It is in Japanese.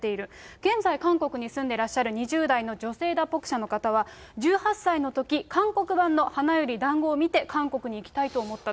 現在、韓国に住んでらっしゃる２０代の女性脱北者の方は、１８歳のとき、韓国版の花より男子を見て韓国に行きたいと思ったと。